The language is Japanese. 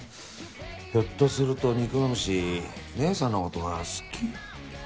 ひょっとすると肉蝮姐さんのことが好き。